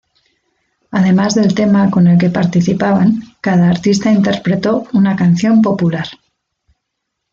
Además del tema con el que participaban, cada artista interpretó una canción popular.